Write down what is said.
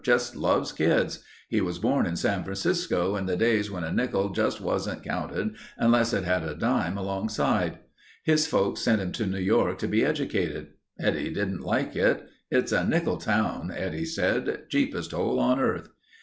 Just loves kids. He was born in San Francisco in the days when a nickel just wasn't counted unless it had a dime alongside. His folks sent him to New York to be educated. Eddie didn't like it. 'It's a nickel town,' Eddie said. 'Cheapest hole on earth.